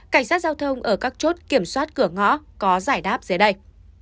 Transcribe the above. cảnh sát giao thông ở các chốt kiểm soát cửa ngõ có giải đáp dưới đây